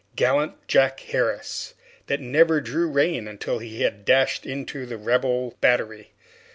Gallant Jack Harris, that never drew rein until he had dashed into the Rebel battery!